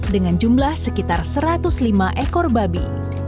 dengan jumlah sekitar satu ratus lima ekor babi